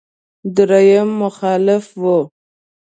درېيم مخالف و.